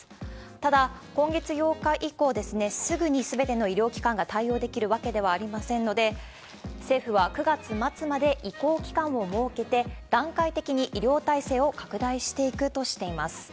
ただ、今月８日以降、すぐにすべての医療機関が対応できるわけではありませんので、政府は９月末まで移行期間を設けて、段階的に医療体制を拡大していくとしています。